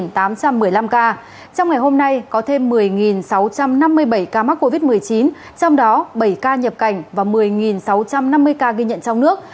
trong ngày hôm nay có thêm một mươi sáu trăm năm mươi bảy ca mắc covid một mươi chín trong đó bảy ca nhập cảnh và một mươi sáu trăm năm mươi ca ghi nhận trong nước